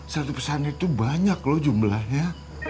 satu pesan itu banyak loh jumlahnya